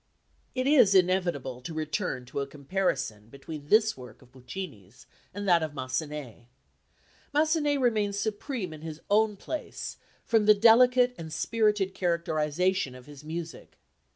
It is inevitable to return to a comparison between this work of Puccini's and that of Massenet. Massenet remains supreme in his own place from the delicate and spirited characterisation of his music.